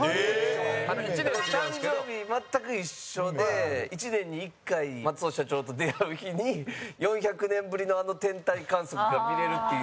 高橋：誕生日、全く一緒で１年に１回松尾社長と出会う日に４００年ぶりのあの天体観測が見れるっていう。